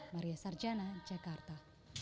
maria sarjana jakarta